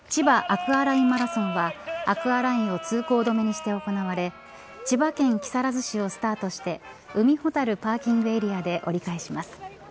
アクアラインマラソンはアクアラインを通行止めにして行われ千葉県木更津市をスタートして海ほたるパーキングエリアで折り返します。